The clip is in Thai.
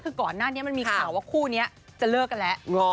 คือก่อนหน้านี้มันมีข่าวว่าคู่นี้จะเลิกกันแล้ว